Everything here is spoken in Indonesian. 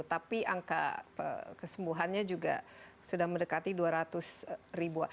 tapi angka kesembuhannya juga sudah mendekati dua ratus ribu